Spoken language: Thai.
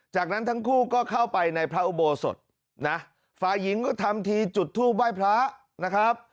จากนั้นทั้งคู่ก็เข้าไปในพระอุโบสถนะฝ่ายหญิงก็ทำทีจุดทูปไหว้พระนะครับ